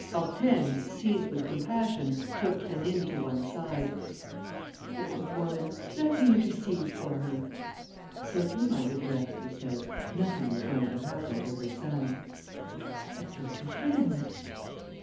Hortense, seized with compassion, took Rénine to one side: "Poor woman! Let me intercede for her." "Set your mind at rest," he said. "Nothing is going to happen to her son." "But your two friends?"